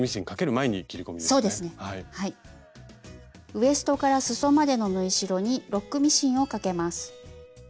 ウエストからすそまでの縫い代にロックミシンをかけます。